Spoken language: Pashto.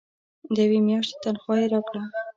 د یوې میاشتي تنخواه یې راکړه.